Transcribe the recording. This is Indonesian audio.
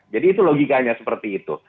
jadi itu logikanya seperti itu